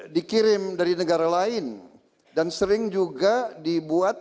dikirim dari negara lain dan sering juga dibuat